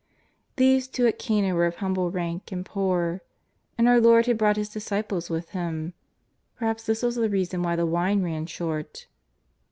These two at Cana were of humble rank and poor. And our Lord had brought His disciples with Him. Perhaps this was the reason why the wine ran short.